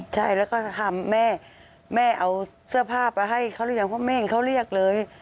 ใช่แล้วก็ถามแม่แม่เอาเสื้อผ้าไปให้เขาหรือยังเพราะแม่เห็นเขาเรียกเลย